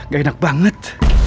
gak enak banget